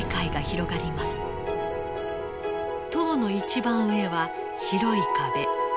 塔の一番上は白い壁。